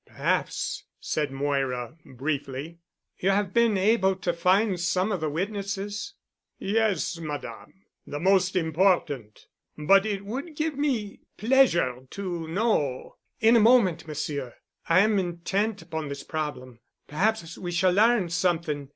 "Perhaps," said Moira briefly. "You have been able to find some of the witnesses?" "Yes, Madame. The most important. But it would give me pleasure to know——" "In a moment, Monsieur. I am intent upon this problem. Perhaps we shall learn something.